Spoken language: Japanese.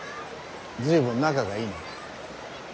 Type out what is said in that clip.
随分仲がいいな。